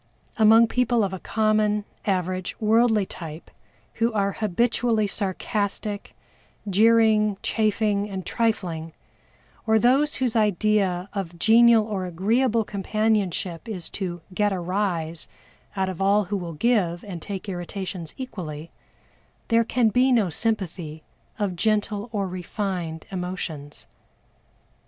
Among people of a common, average, worldly type who are habitually sarcastic, jeering, chaffing, and trifling, or those whose idea of genial or agreeable companionship is to "get a rise" out of all who will give and take irritations equally, there can be no sympathy of gentle or refined emotions.